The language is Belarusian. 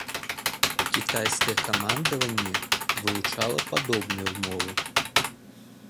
Кітайскае камандаванне вылучала падобныя ўмовы.